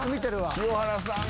清原さんが。